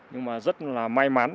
nhưng mà rất là may mắn